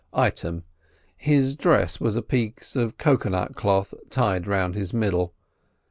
Item.—His dress was a piece of cocoa nut cloth tied round his middle.